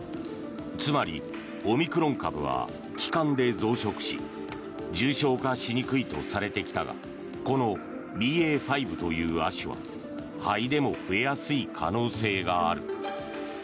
つまりオミクロン株は気管で増殖し重症化しにくいとされてきたがこのＢＡ．５という亜種は肺でも増えやすい可能性がある。